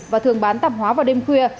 và thường bán tạp hóa vào đêm khuya